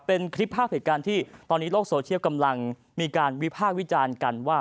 เป็นคลิปภาพเหตุการณ์ที่ตอนนี้โลกโซเชียลกำลังมีการวิพากษ์วิจารณ์กันว่า